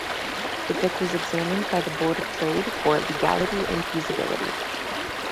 The book was examined by the Board of Trade for legality and feasibility.